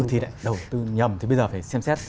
thì lại đầu tư nhầm thì bây giờ phải xem xét